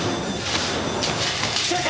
先生！